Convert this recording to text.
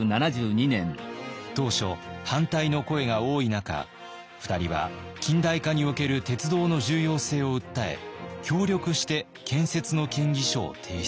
当初反対の声が多い中２人は近代化における鉄道の重要性を訴え協力して建設の建議書を提出。